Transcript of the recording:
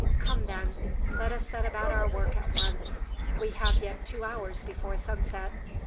Come, then! Let us set about our work at once. We have yet two hours before sunset.